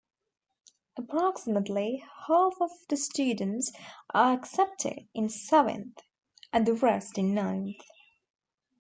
Approximately half of the students are accepted in seventh, and the rest in ninth.